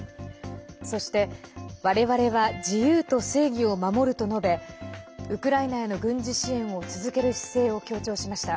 そして、われわれは自由と正義を守ると述べウクライナへの軍事支援を続ける姿勢を強調しました。